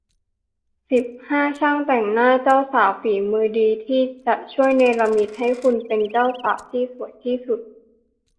สิบห้า ช่างแต่งหน้าเจ้าสาว ฝีมือดี ที่จะช่วยเนรมิตให้คุณเป็นเจ้าสาวที่สวยที่สุด